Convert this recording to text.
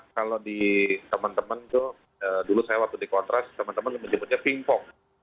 kalau di teman teman itu dulu saya waktu di kontras teman teman menyebutnya pingpong